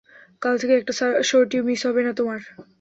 কাল থেকে একটা সর্টিও মিস হবে না তোমার।